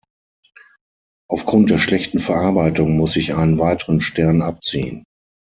Aufgrund der schlechten Verarbeitung muss ich einen weiteren Stern abziehen.